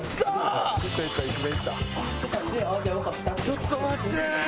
ちょっと待って。